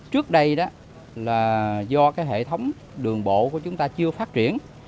trước đây là do hệ thống đường bộ của chúng ta chưa phát triển